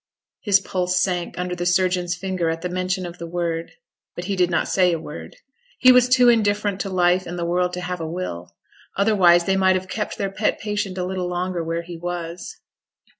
His pulse sank under the surgeon's finger at the mention of the word; but he did not say a word. He was too indifferent to life and the world to have a will; otherwise they might have kept their pet patient a little longer where he was.